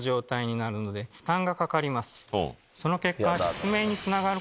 その結果。